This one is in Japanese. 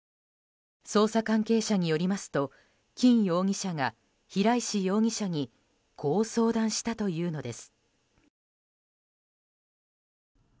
捜査関係者によりますと金容疑者が平石容疑者にこう相談したというのです。